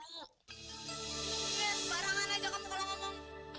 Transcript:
jangan sebarangan aja kamu kalo ngomong